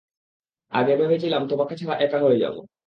আগে ভেবেছিলাম তোমাকে ছাড়া একা হয়ে যাবো।